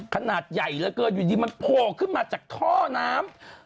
ขนาดใหญ่เหลือเกินอยู่ดีมันโผล่ขึ้นมาจากท่อน้ำ